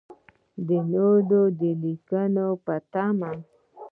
د نورو لیکنو په تمه.